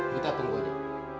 kita tunggu deh